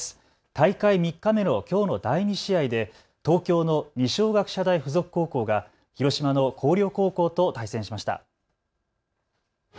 大会３日目のきょうの第２試合で東京の二松学舎大付属高校が広島の広陵高校と対戦しました。